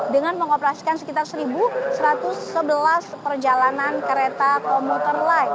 dengan mengoperasikan sekitar satu satu ratus sebelas perjalanan kereta komuter line